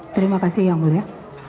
terima kasih ya mbak